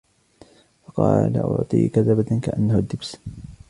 فقال أعطيك زبداً كأنه الدبس